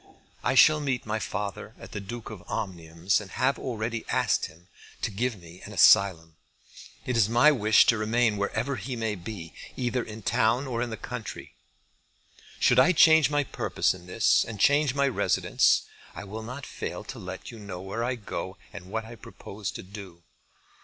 I shall meet my father at the Duke of Omnium's, and have already asked him to give me an asylum. It is my wish to remain wherever he may be, either in town or in the country. Should I change my purpose in this, and change my residence, I will not fail to let you know where I go and what I propose to do.